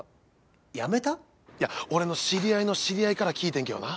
いや俺の知り合いの知り合いから聞いてんけどな。